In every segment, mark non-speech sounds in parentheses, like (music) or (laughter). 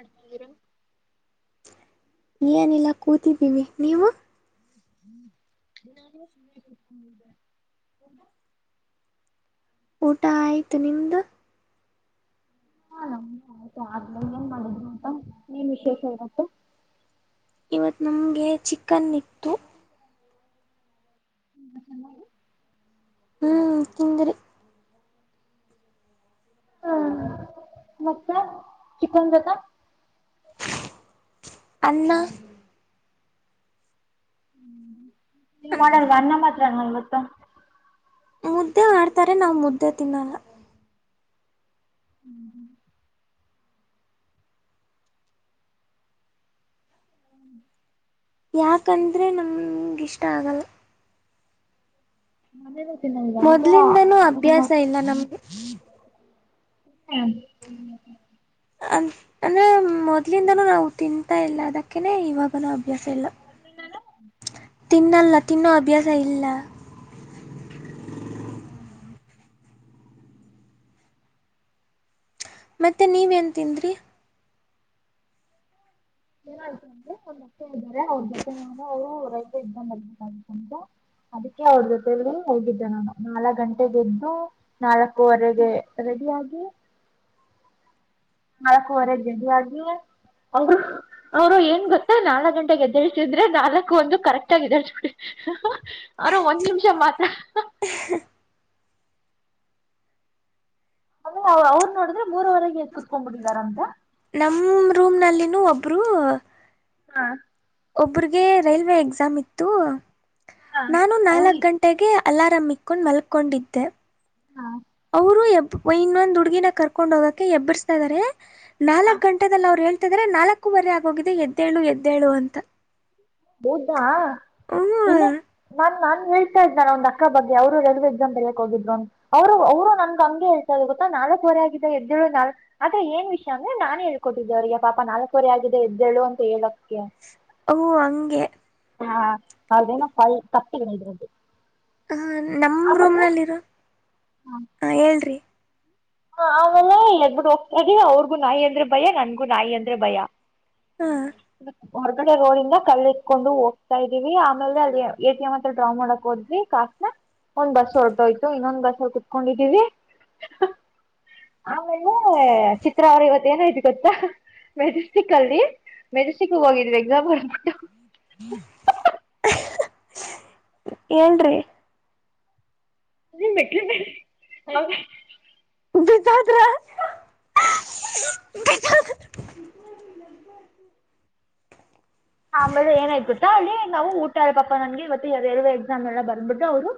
ಅಡತಿರಿ ಏನಿಲ್ಲಾ ಕೂತಿದ್ದೀವಿ ನೀವು ನಿಮ್ಮನಿ ಊಟಾ ಆಯ್ತು ನಿಮ್ಮದು ಹಾ ನಮ್ಮದಾಯಿತ ಆದ್ಮೇಲೆ ಏನ್ ಮಾಡಿದ್ರುಂತ ಊಟಾ ಏನ್ ವಿಶೇಷ ಇವತ್ತು. ಇವತ್ ನಮಗೆ ಚಿಕನ್ ಇತ್ತು ಹೂ ತಿಂದ್ರಿ ಹಾ ಮತ್ತ ಚಿಕನ್ ಬೇಕಾ ಅನ್ನ ಇಲ್ಲಾ ಮಾಡೋಲ್ಲ ಅನ್ನ ಮಾತ್ರ ನಾ ಇ ಮತ ಮುದ್ದೆ ಮಾಡ್ತಾರೆ ನಾವು ಮುದ್ದೆ ತಿನ್ನಲ್ಲ ಹೂ ಹೂ ಹ್ ಯಾಕಂದ್ರೆ ನಮಗೆ ಇಷ್ಟ ಆಗಲ್ಲ ಮನೆಯಲ್ಲಿ ಮೊದ್ಲಿಂದನೂ ಅಭ್ಯಾಸ ಇಲ್ಲ ನಮ್ಗೆ ಹ್ ಅ ಅಂದೆ ಮೊದ್ಲಿಂದನೂ ನಾವು ತಿಂತಾಯಿಲ್ಲ ಅದಕ್ಕನೆ ಇವಾಗನೂ ಅಭ್ಯಾಸ ಇಲ್ಲ ಮತ್ತೆನು ತಿನ್ನಲ್ಲ ತಿನ್ನ ಅಭ್ಯಾಸ ಇಲ್ಲ ಮತ್ತೆ ನೀವೇನ್ ತಿಂದ್ರಿ ಏನಾಯ್ತು ಅಂತೆೆ ಒಂದತ್ತೆ ಇದ್ದಾರೆ ಅವ್ರ ಜೊತೆ ನಾನು ಅವರು ರೈತ ಇದ್ದ ಬರ್ಬೇಕಾಗಿ್ತ ಅಂತ ಅದಕ್ಕೆ ಅವ್ರ ಜೊತೆ ಇದ ಹೋಗಿದ್ದೆ ನಾನು ನಾಲ್ಕ್ ಗಂಟೆಗೆದ್ದು ನಾಲ್ಕುವರೆಗೆ ರೆಡಿ ಆಗಿ ನಾಲ್ಕೂವರೆ ಗಡಿ ಆ ಅವರು ಅವರು ಏನ್ ಗೊತ್ತ ನಾಲ್ಕ್ ಗಂಟೆಗೆ ಎದ್ದಳ್ಸಿದ್ರೆ ನಾಲ್ಕು ಒಂದು ಕರೆಕ್ಟ್ ಆಗ ಎಳ್ಬ ಅವರು ಒಂದ್ ನಿಮಿಷ ಮಾತ್ರ ಆದ್ರೆ ಅವ ಅವ್ರು ನೋಡಿದ್ರೆ ಮೂರವರೆಗೆ ಎದ್ದು ಕುತ್ಕೊಂಡ್ ಬಿಟ್ಟಿದಾರ ಅಂತ ನಮ್ಮ ರೂಮ್ನಲ್ಲಿನೂ ಒಬ್ರು ಹಾ ಒಬ್ರರಿಗೆ ರೈಲ್ವೆ ಎಕ್ಸಾಮ್ ಇತ್ತು ನಾನು ನಾಲ್ಕ್ ಅವ್ರಿಗೆ ಗಂಟೆಗೆ ಅಲಾರಾಂ ಇಕ್ಕೊಂಡು ಮಲ್ಕೊಂಡಿದ್ದೆ ಹಾ (inaudible) ಅವರು ಎಬ್ ಇನ್ನೊಂದ್ ಹುಡ್ಗಿನ ಕರ್ಕೊಂಡ್ ಹೋಗಕೆ ಎಬ್ಬರಿಸ್ತಾ ಇದ್ದಾರೆ ನಾಲ್ಕಕ್ ಗಂಟೆದಲ್ಲಿ ಅವರು (unintelligible) ನಾಲ್ಕೂವರೆ ಆಗೋಗಿದೆ ಎದ್ದೇಳು ಎದ್ದೇಳು ಅಂತ ಹೌದಾ ಹ್ಞೂ (inaudible) ಇಲ್ಲ (inaudible) ನನ್ ನನ್ ಹೇಳ್ತಾ ಇದ್ದಾನ ಒಂದು ಅಕ್ಕ ಬಗ್ಗೆ ಅವರು ರೈಲ್ವೆ ಎಕ್ಸಾಮ್ ಬರಕ್ಕೆ ಹೋಗಿದ್ರು ಅವರು ಅವರು ನಂಗೆ ಹಂಗೆ ಹೇಳ್ತ ಇದ್ರೂ ಗೊತ್ತ ನಾಲಕುವರೇ ಆಗಿದೆ ಎದ್ದೇಳು ನಾಲ್ಕ್ ಅದ್ರೆ ಏನ್ ವಿಷಯ ಅಂದ್ರೆ ನಾನೆ ಹೇಳ್ಕೋತಿದು ಅವ್ರಿಗೆ ಪಾಪ ನಾಲ್ಕವರೆ ಆಗಿದೆ ಎದ್ದೇಳು ಅಂತ ಹೇಳಕ್ ಓ ಹಂಗೆ ಹಾ ಅದೇನ ಕತ್ತಿಗಳ ಇದ್ರದದು ಹಾ ನಮ್ಮ ರೂಮ್ನಲ್ಲಿ ಇರೋ ಹಾ (unintelligible) ಹಾ ಆಮೇಲೆ ಇಲ್ಲದಬಿಟ್ಟ ಹೋಗ್ತ ಅವ್ರಿಗೂ ನಾಯಿ ಅಂದ್ರೆ ಭಯ ನನ್ಗೂ ನಾಯಿ ಅಂದ್ರೆ ಭಯ ಹಾ ಹೊರಗಡೆ ರೋಡ್ ಇಂದ ಕಲ್ಲ ಇಟ್ಕೊಂಡು ಹೋಗ್ತಾ ಇದೀವಿ ಆಮೇಲ್ಲೆ ಅಲ್ಲಿ ಎ ಟಿ ಎಂ ಹತ್ರ ಡ್ರಾ ಮಾಡಕ್ ಹೋದ್ವಿ ಕಾಸ್ನ ಒಂದು ಬಸ್ ಹೊರಟೋತ್ತು ಇನ್ನೊಂದ್ ಬಸ್ ಕುತ್ಕೊಂಡಿದೀವಿ ಆಮೇಲೆ ಚಿತ್ರಾವರ ಇವತ್ತ ಏನೈತಿ ಗೊತ್ತಾ ಮೆಜೆಸ್ಟಿಕ್ ಅಲ್ಲಿ ಮೆಜೆಸ್ಟಿಕ್ ಹೋಗಿದ್ವಿ ಎಕ್ಸಾಂಪಲ್ (unintelligible) ಹೇಳ್ರಿ (unintelligible) ಬಿದೋದ್ರ (unintelligible) ಆಮೇಲೆ ಏನ್ ಆಯ್ತು ಗೊತ್ತ ಅಲ್ಲಿ ನಾವು ಊಟ ಪಾಪಾ ನನ್ಗೆ ಇವತ್ತುರವ ಎಕ್ಸಾಮ್ ಎಲ್ಲ ಬಂದಬಿಟ್ರೆ ಅವ್ರು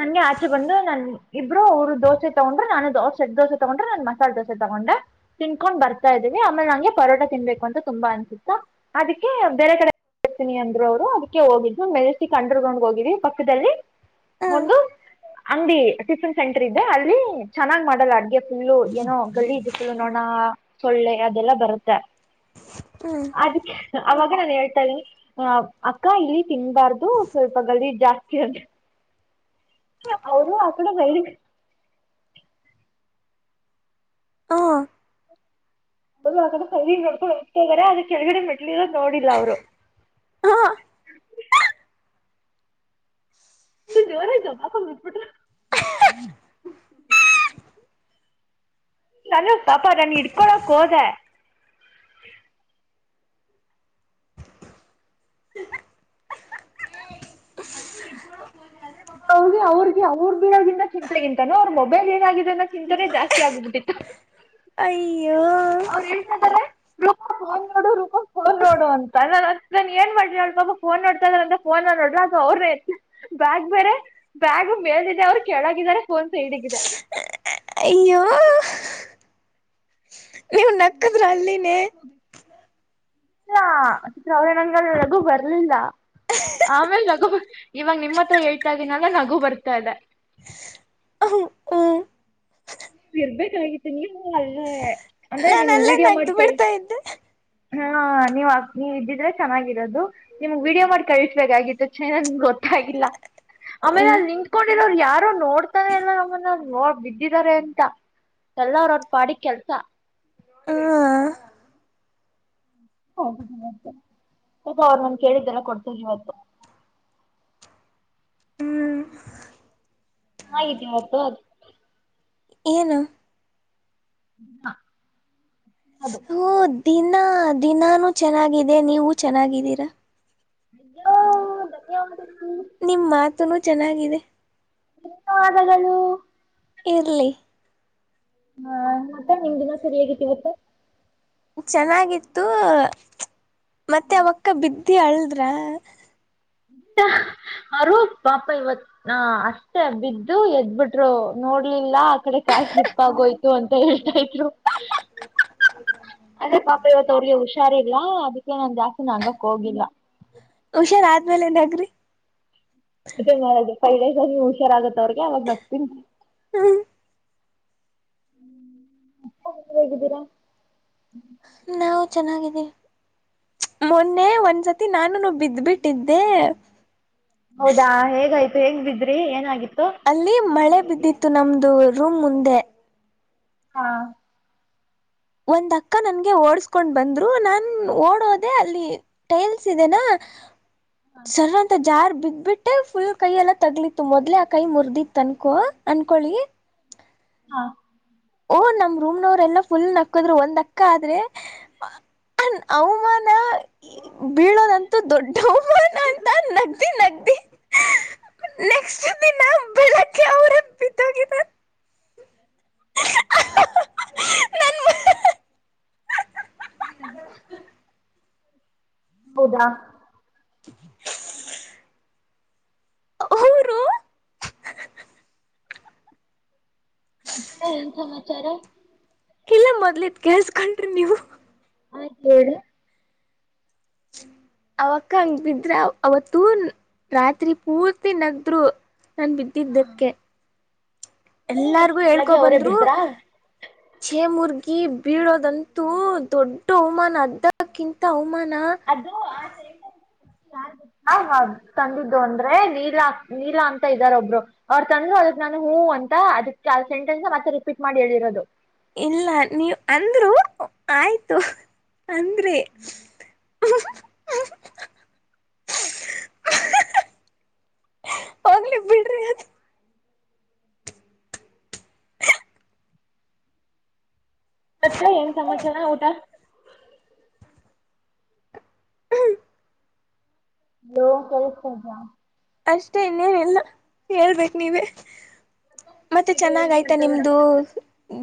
ನನ್ಗೆ ಆಚೆ ಬಂದು ನನ್ ಇಬ್ರು ಅವರು ದೋಸೆ ತಗೊಂಡ್ರೆ ನಾನು ಸೆಟ್ ದೋಸೆ ತಗೊಂಡ್ರೆ ನನ್ ಮಸಾಲೆ ದೋಸೆ ತಗೊಂಡೆ ತಿನ್ಕೊಂಡ್ ಬರ್ತಾ ಇದ್ದೀವಿ ಆಮೇಲೆ ನಂಗೆ ಪರೋಟ ತಿನ್ಬೇಕು ಅಂತ ತುಂಬಾ ಅನ್ಸುತ್ತಾ ಅದಕ್ಕೆ ಬೇರೆ ಕಡೆರ್ತೀನಿ ಅಂದ್ರು ಅವರು ಅದಕ್ಕೆ ಹೋಗಿದ್ವಿ ಮೆಜೆಸ್ಟಿಕ್ ಅಂಡರ್ ಗ್ರೌಂಡ್ ಹೋಗಿದ್ವಿ ಪಕ್ಕದಲ್ಲಿ (inaudible) ಹಾಂ ಒಂದು ಅಂಗಡಿ ಟಿಫನ್ ಸೆಂಟರ್ ಇದೆ ಅಲ್ಲಿ ಚೆನ್ನಾಗ್ ಮಾಡಲ್ಲ ಅಡ್ಗೆ ಫುಲ್ಲು ಏನೋ ಗಲೀಜ್ ಫುಲ್ ನೋಣ ಸೊಳ್ಳೆ ಅದೆಲ್ಲ ಬರುತ್ತ ಹ್ಞೂ ಅದಿಕ್ಕೆ ಅವಾಗ್ ಅಕ್ಕ ಇಲ್ಲಿ ತಿನ್ಬಾರ್ದು ಸ್ವಲ್ಪ ಗಲೀಜ್ ಜಾಸ್ತಿ ಅಂದೆ ಅವರು ಆ ಕಡೆ ಹೇಳಿ ಹಾ (unintelligible) ನಡ್ಕೊಂಡು ಹೋಗತಾರೆ ಅಲ್ಲಿ ಕೆಳಗಡೆ ಮೆಟ್ ನೋಡಿಲ್ಲ ಅವರು ಹಾಂ ಜೋರಾಗಿ ದಬಾಡ್ಕೊಂಡು ಬಿದ್ಬಿಟ್ರು (unintelligible) ನಾನು ಪಾಪ ನಾನ ಇಡ್ಕೊಳಕ್ ಹೋದೆ ಹ (inaudible) (inaudible) ಗೆ ಅವ್ರಿಗೆ ಅವ್ರ ಬಿಡೋಗಿಂತ ಚಿಂತೆಗಿಂತಾನು ಅವ್ರ ಮೊಬೈಲ್ ಏನಾಗಿದೆ ಅನ್ನ ಚಿಂತನೆ ಜಾಸ್ತಿ ಆಗ್ಬಿಟ್ಟಿತ್ತು ಅಯ್ಯೋ ಅವ್ರ್ ಹೇಳ್ತಿದ್ದಾರೆ ಹ್ ನೋಡರು ಹೋಗ ನೋಡು ಅಂತ ನ ನಾನನ್ ಏನ್ ಮಾಡ್ರಿ ಅವಳ್ ಪಾಪ ಫೋನ್ ನೋಡ್ತಾ ಇದ್ರ ಅ ಫೋನ್ ನ ನೋಡ್ರಿ ಅ ಅವ್ರನೇಐತೆ ಬ್ಯಾಗ್ ಬೇರೆ ಬ್ಯಾಗ್ ಮೇಳದಿದೆ ಅವ್ರು ಕೆೇಳಗಿದ್ದಾರೆ ಫೋನ್ಸ ಸೈಡಗಿದೆ ಅಯ್ಯೋ ನೀವು ನಕ್ಕದ್ರ ಅಲ್ಲಿನೇ ಹಾತ್ರ ಅವ್ರ ನಂಗ ನನಗು ಬರ್ಲಿಲ್ಲ ಆಮೇಲೆ ನಗು ಇವಾಗ ನಿಮ್ಮ ಹತ್ರ ಹೇಳ್ತಾ ಇದೀನ ನಗು ಬರ್ತಾದೆ ಹ್ಮ್ ಇರ್ಬೇಕಾಗಿತ್ತು ಅ ಅಂದ್ರೆ ನಾನು ನಿಮಗ್ ಅಲ್ಲೇ ವೀಡಿಯೋ ನಗ್ದು ಮಾಡ್ತೇವೆ ಬಿಡ್ತಾ ಇದ್ದೆ ಹಾ ನೀವ್ ನೀ ಇದ್ದಿದ್ರೆ ಚೆನ್ನಾಗಿರೋದು ನಿಮ್ಗ್ ವಿಡಿಯೋ ಮಾಡಿ ಕಳಿಸ್ಬೇಕಾಗಿತ್ತು ಚ ಗೊತ್ತಾಗಿಲ್ಲ ಆಮೇಲೆ ಅಲ್ಲಿ ಹ ನಿಂತ್ಕೊಂಡಿರೋರು ಯಾರು ನೋಡ್ತಾರೆ ಎಲ್ಲ ನಮ್ಮನ್ನ ನೋ ಬಿದ್ದಿದ್ದಾರೆ ಎಲ್ಲರ ಅವ್ರ ಪಾಡಿ ಕೆಲ್ಸ ಹಾ ಹ ಅವ್ರ ನನ್ ಕೇಳಿದ್ದೆಲ್ಲ ಕೊಡ್ತದ ಇವತ್ತು ಹ್ಮ್ ಹಾಗಿದ್ದೀ ಮತ್ತು ಅದು ಏನು ಹ (inaudible) ಅದು ದಿನಾ ದಿನಾನೂ ಚೆನ್ನಾಗಿದೆ ನೀವು ಚೆನ್ನಾಗಿದ್ದೀರಾ ಅ್ಯ (inaudible) ನಿಮ್ ಮಾತುನುೂ ಚೆನ್ನಾಗಿದೆ ಧನ್ಯವಾದಗಳು ಇರ್ಲಿ ಹಾ ಮತ್ತ ನಿಮ ದಿನ ಸರಿ ಹೇಗಿತಿವತ್ತ ಚೆನ್ನಾಗಿತ್ತು ಮತ್ತೆ ಅವಕ್ಕ ಬಿದ್ದ ಯಲದ್ರಾ ಅವರು ಪಾಪ ಇವತ್ ಅಷ್ಟೇ ಬಿದ್ದು ಎದ್ಬಿಟ್ರು ನೋಡ್ಲಿಲ್ಲ ಆ ಕಡೆ ಕಾಸಿಲಿಪ್ಪಾಗೋಯ್ತು ಅಂತ ಹೇಳ್ತಾ ಇದತ್ರು ಅದೇ ಪಾಪ ಇವತ ಅವಿಗೆ ಹುಷಾರಿ ಲಾ ಅದು ನ ಜಾಸ್ತಿ ನಗಕ್ ಹೋಗಿಲ್ಲ ನಲೆಂದಾಗ್ರಿ ಅದೇ ಮಾಡೋದು ರೈ ಹುಷಾರ ಆಗತ್ತತ್ ಅವ್ರಿಗೆ ಅವವಾಗ ಬರ್ತೀನಿ ಹ್ಮ ಅಪ್ಪ ಅಮ್ಮ ಹೇಗಿದ್ದೀರಾ? ನಾವು ಚೆನ್ನಾಗಿದಿವಿ ಮೊನ್ನೆ ಒಂದ್ಸತಿ ನಾನುನು ಬಿದ್ದ್ಬಿಟ್ಟಿದ್ದೆ ಹೌದಾ ಹೇಗಯ್ತು ಹೇಂಗ ಬಿದ್ರಿ ಏನಾಗಿತ್ತು ಅಲ್ಲಿ ಮಳೆ ಬಿದ್ದಿತ್ತು ನಮ್ದು ರೂಮ್ ಮುಂದೆ ಹಾ ಒಂದ್ ಅಕ್ಕ ನನ್ಗೆ ಓಡ್ಸ್ಕೊಂಡ್ ಬಂದ್ರು ನಾನನ್ ಓಡೋದೆೇ ಅಲ್ಲಿ ಟೈಲ್ಸ್ ಇದೆನಾ ಸರಂತ ಜಾರ್ ಬಿದ್ಬಿಟ್ಟೆ ಫುಲ್ ಕೈ ಎಲ್ಲ ತಗ್ಲಿತ್ತು ಮೊದ್ಲೆ ಆ ಕೈ ಮುರುದಿತು ಅನ್ಕೋ ಅನ್ಕೊಳಿ ಹಾ ಓ ನಮ್ ರೂಮ್ನವ್ರ ಎಲ್ಲಾ ಫುಲ್ ನಕ್ಕದ್ರು ಒಂದ್ಕ್ಕ ಆದ್ರೆ ಅವಮಾನ ಬೀಳೋದಂತೂ ದೊಡ್ಡ ಅವಮಾನ ಅಂತ ನಗ್ದಿ ನಗ್ದಿ ನೆಕ್ಸ್ಟ್ ದಿನ ಬೆಳಿಗ್ಗೆ ಅವ್ರೆ ಬಿದೋಗಿದ್ದರೆ ಹಹಹ ನೀ ನಗ್ಬೇಡ ಹೌದಾ ಅವ್ರು ಮತ್ತೆ ಏನ್ ಸಮಾಚಾರ ಇಲ್ಲ ಮೊದ್ಲದ ಕಲ್ಸ್ಕೊಂಡ್ರಿ ನೀವು ಆಯ್ತ್ ಹೇಳಿ ಅವಕ್ಕ ಹಂಗ ಬಿದ್ರ ಅವತ್ತು ರಾತ್ರಿ ಪೂರ್ತಿ ನಗ್ದ್ರು ನಾನು ಬಿದ್ದಿದ್ದಕ್ಕೆ ಎಲ್ಲಾರ್ಗು ಹೇಳ್ಕೊ ಬೆಳಗ್ಗೆ ಅವರೇ ಬಂದ್ರು ಬಿದ್ರಾ ಛೇ ಮುರ್ಗಿ ಬೀಳೋದಂತೂ ದೊಡ್ಡ ಅವಮಾನ ಅದ್ದಕ್ಕಿಂತ ಅವಮಾನ ಅದು ಆಟ ಎ ತಂದಿದ್ದ ಅಂದ್ರೆ ನೀಲ ನೀಲ ಅಂತ ಇದ್ದಾರ ಒಬ್ರು ಅವರು ತಂದ್ರು ಅದಕ್ ನಾನ ಹೂ ಅಂತ ಅದಕ್ಕೆ ಆ ಸೆಂಟೆನ್ಸ್ ಮತ್ತೆ ರಿಪೀಟ್ ಮಾಡಿ ಹೇಳಿರೋದು ಇಲ್ಲ ನೀವ ಅಂದ್ರು ಆಯ್ತು ಅಂದ್ರೆ ಹೋಗ್ಲಿ ಬಿಡ್ರಿ ಅದು ಮತ್ತ ಏನ್ ಸಮಾಚಾರ ಊಟ ನೀ ಕಳ್ದಾ ಅಷ್ಟೇ ಇನ್ನೇನೆಲ್ಲ ಹೇಳ್ಬೇಕ ನೀವೇ ಮತ್ತೆ ಇದೆಯಾ ಚೆನ್ನಾಗ ಏನ್ ಆಯ್ತಾ ಮಾಡ್ತಾ ಇದ್ದೀರಾ ನಿಮ್ದು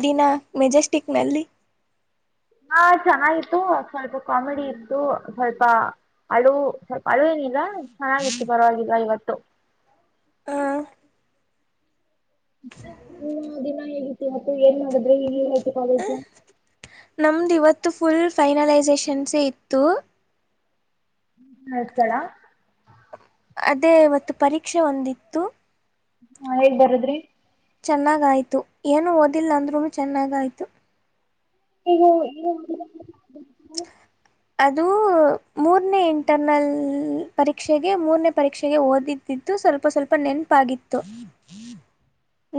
ದಿನ ಮೆಜೆಸ್ಟಿಕ್ನಲ್ಲಿ ಹಾ ಚೆನ್ನಾಗಿತ್ತು ಸ್ವಲ್ಪ ಕಾಮಿಡಿ ಇತ್ತು ಸ್ವಲ್ಪ ಅಳು ಸ್ವಲ್ಪ ಅಳು ಏನಿಲ್ಲ ಹಾಗಿತ್ತು ಪರವಾಗಿಲ್ಲ ಇವತ್ತು ಹೌ ಹ ಹ್ಮ ಅದಿನ ಹೇಳ ಇವತ್ತು ಏನ್ ಮಾಡಿದ್ರೆ ಈ ಹ ನಮ್ದ ಇವತ್ತು ಮತ್ತು ಫುಲ್ ಫೈನಲೈಸೇಷನ್ಸೇ ಇತ್ತು ಹತಡ ಅದೇ ಇವತ್ತು ಪರೀಕ್ಷೆ ಒಂದಿತ್ತು ಹಾ ಹೇಗ್ ಬರದ್ರಿ ಚೆನ್ನಾಗಾಯಿತು ಏನೂ ಓದಿಲ್ಲ ಅಂದ್ರೂ ಚೆನ್ನಾಗಾಯಿತು ನೀವು ಅದು ಮೂರನೇ ಇಂಟರ್ನಲ್ ಪರೀಕ್ಷೆಗೆ ಮೂರನೇ ಪರೀಕ್ಷೆಗೆ ಓದಿದ್ದಿದ್ದು ಸ್ವಲ್ಪ ಸ್ವಲ್ಪ ನೆನಪಾಗಿತ್ತು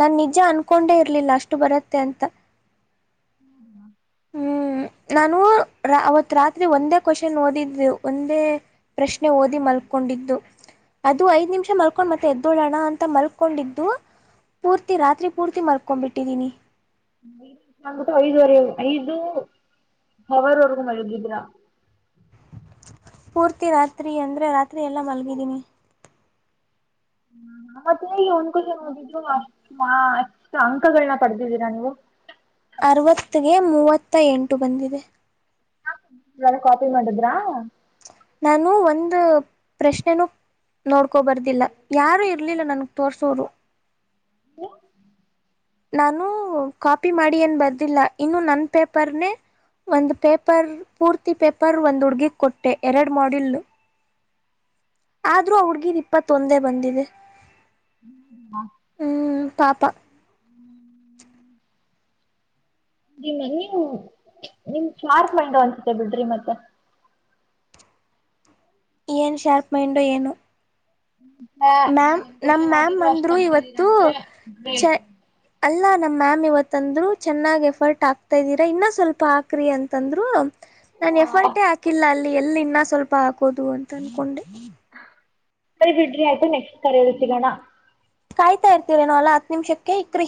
ನನ್ ನಿಜ ಅನ್ಕೊಂಡೆ ಇರ್ಲಿಲ್ಲ ಅಷ್ಟು ಬರುತ್ತೆ ಅಂತ ಹ್ಮ ಹ್ಮ್ ನಾನು ಅವತ್ ರಾತ್ರಿ ಒಂದೇ ಕ್ವಶನ್ ಓದಿದ್ದು ಒಂದೇ ಪ್ರಶ್ನೆ ಓದಿ ಮಲ್ಕೊಂಡಿದ್ದು ಅದು ಐದ್ ನಿಮಿಷ ಮಲ್ಕೊಂಡ್ ಮತ್ತೆ ಎದ್ದೋಡೋಣ ಅಂತ ಮಲ್ಕೊಂಡಿದ್ದು ಪೂರ್ತಿ ರಾತ್ರಿ ಪೂರ್ತಿ ಮಲ್ಕೊಂಡ್ಬಿಟ್ಟಿದೀನಿ ್ಬಟ್ಟು ಐದುವರೆ ಐದು ಅವರ್ವರೆಗೂ ಮಳಗಿದೀರ ಪೂರ್ತಿ ರಾತ್ರಿ ಅಂದ್ರೆ ರಾತ್ರಿ ಎಲ್ಲ ಮಲಗಿದ್ದೀನಿ ಮತ್ತ ಈಗ ಒಂದ್ ುಷನ್ ಹೋಗಿದ್ು ಅಷ್ಟ ಅಷ್ಟು ಅಂಕಗಳನ್ನ ಪಡೆದಿದ್ದೀರಾ ನೀವು ಅರವತ್ತಗೆ ಮೂವತ್ತ ಎಂಟು ಬಂದಿದೆ ಹ ಕಾಪಿ ಮಾಡಿದ್ರಾ ನಾನು ಒಂದು ಪ್ರಶ್ನೆನೂ ನೋಡ್ಕೊಬಾರದಿಲ್ಲ ಯಾರೂ ಇರ್ಲಿಲ್ಲ ನನಗ್ ತೋರ್ಸೋರು ಹ ನಾನು ಕಾಪಿ ಮಾಡಿ ಏನು ಬರ್ದಿಲ್ಲ ಇನ್ನು ನನ್ನ ಪೇಪರ್ನೇ ಒಂದು ಪೇಪರ್ ಪೂರ್ತಿ ಪೇಪರ್ ಒಂದು ಹುಡುಗಿಗೆ ಕೊಟ್ಟೆ ಎರಡು ಮಾಡಲ್ು ಆದ್ರೂ ಅವಡ್ಗೀ್ ಇಪ್ಪತ್ತೊಂದೇ ಬಂದಿದೆ ಹಾ ಪಪ ನಿ ನೀವು ನಿಮ್ ಸ್ಮಾರಕ್ ಮಂಡ ಅನ್ಸತೆ ಬಿಡ್ರಿ ಮತ್ತೆ ಏನ್ ಶಾರ್ಪ್ ಮೈಂಡು ಏನು ಮ್ಯಾಮ್ ನಮಮ್ಮ್ ಮ್ಯಾಮ್ ಅಂದ್ರು ಇವತ್ತು ಚ ಅಲ್ಲ ನಮ್ ಮ್ಯಾಮ್ ಇವತ್ತಂದ್ರು ಚೆನ್ನಾಗ್ ಎಫರ್ಟ್ ಆಕ್ತಾ ಇದಿದೀರಾ ಇನ್ನ ಸ್ವಲ್ಪ ಹಾಕ್ರರಿ ಅಂತಂದ್ರು ನಾನನ್ ಎಫರ್ಟೇ ಹಾಕಿಲ್ಲ ಅ ಎಲ್ಲಿ ಇನ್ನ ಸ್ವಲ್ಪ ಹಾಕೋದು ಅಂತ ಅನ್ಕೊಂಡೆ ಹ್ಮ ಸರಿ ಬಿಡ್ರಿ ಆಯ್ತು ನೆಕ್ಸ್ಟ್ ಕರೆ ಇ ಸಿಗೋಣ ಕಾಯ್ತಾ ಇರ್ತೀರನ ಅಲ್ಲಾ ಹತ್ ನಿಮಿಷಕ್ಕೆ ಇಕ್ರಿ